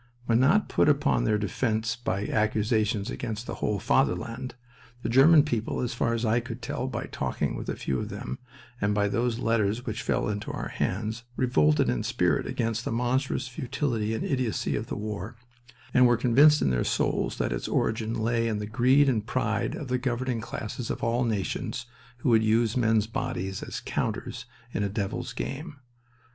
When not put upon their defense by accusations against the whole Fatherland, the German people, as far as I could tell by talking with a few of them, and by those letters which fell into our hands, revolted in spirit against the monstrous futility and idiocy of the war, and were convinced in their souls that its origin lay in the greed and pride of the governing classes of all nations, who had used men's bodies as counters in a devil's game.